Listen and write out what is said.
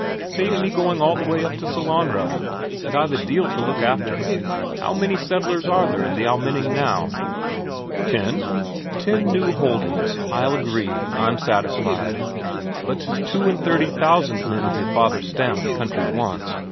"Save me going all the way up to Sellanraa; and I've a deal to look after. How many settlers are there in the Almenning now?" "Ten." "Ten new holdings. I'll agree. I'm satisfied. But 'tis two and thirty thousand men of your father's stamp the country wants.